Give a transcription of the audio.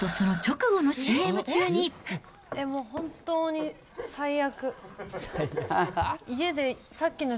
もう本当に最悪。